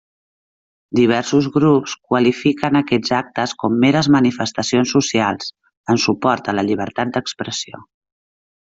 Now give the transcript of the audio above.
Diversos grups qualifiquen aquests actes com meres manifestacions socials, en suport a la llibertat d'expressió.